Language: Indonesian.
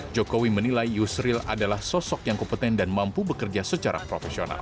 jokowi menilai yusril adalah sosok yang kompeten dan mampu bekerja secara profesional